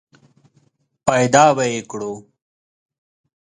پیدا به یې کړو !